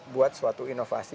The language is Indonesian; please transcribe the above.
buat suatu inovasi